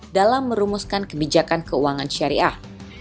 dalam merumuskan kebijakan keuangan syariah